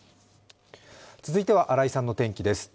続いては新井さんの天気です。